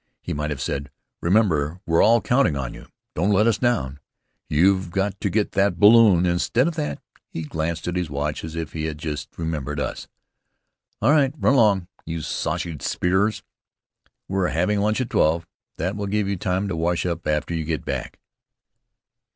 He might have said, "Remember, we're all counting on you. Don't let us down. You've got to get that balloon!" Instead of that, he glanced at his watch as if he had just remembered us. "All right; run along, you sausage spearers. We're having lunch at twelve. That will give you time to wash up after you get back."